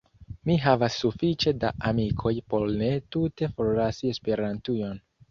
Mi havas sufiĉe da amikoj por ne tute forlasi Esperantujon.